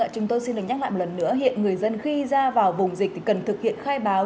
chúng tôi xin được nhắc lại một lần nữa hiện người dân khi ra vào vùng dịch cần thực hiện khai báo